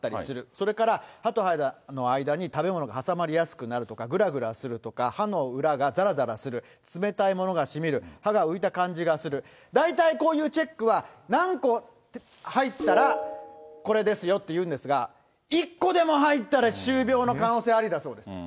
それから、歯と歯の間に食べ物が入りやすくなるとか、ぐらぐらするとか、歯の裏がざらざらする、冷たいものがしみる、歯が浮いた感じがする、大体こういうチェックは何個入ったらこれですよというんですが、１個でも入ったら歯周病の可能性ありだそうです。